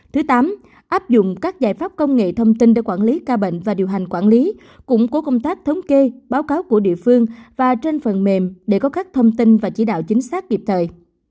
thứ tám áp dụng các giải pháp công nghệ thông tin để quản lý ca bệnh và điều hành quản lý củng cố công tác thống kê báo cáo của địa phương và trên phần mềm để có các thông tin và chỉ đạo chính xác kịp thời